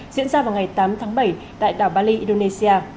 diễn ra vào ngày tám tháng bảy tại đảo bali indonesia